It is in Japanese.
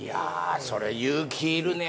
それ勇気いるね。